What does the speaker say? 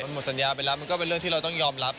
มันหมดสัญญาไปแล้วมันก็เป็นเรื่องที่เราต้องยอมรับ